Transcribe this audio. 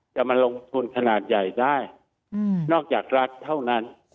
จะมาลงทุนขนาดใหญ่ได้นอกจากรัฐเท่านั้น